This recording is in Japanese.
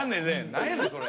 何やねんそれ。